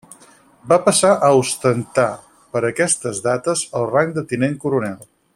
Va passar a ostentar per aquestes dates el rang de tinent coronel.